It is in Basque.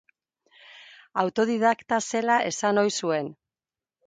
Autodidakta zela esan ohi zuen.